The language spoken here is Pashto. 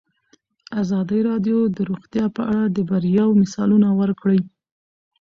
ازادي راډیو د روغتیا په اړه د بریاوو مثالونه ورکړي.